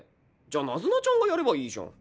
じゃあナズナちゃんがやればいいじゃん。